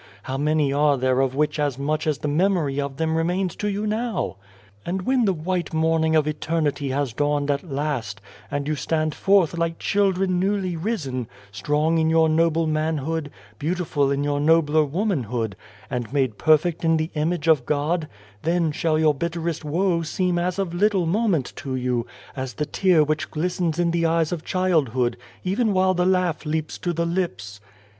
how many are there of which as much as the memory of them remains to you now ?" And when the White Morning of Eternity has dawned at last, and you stand forth like children newly risen strong in your noble manhood, beautiful in your nobler womanhood, and made perfect in the image of God then shall your bitterest woe seem of as little 46 God and the Ant moment to you, as the tear which glistens in the eyes of childhood, even while the laugh leaps to the lips.